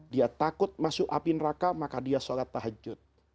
dia takut masuk api neraka maka dia sholat tahajud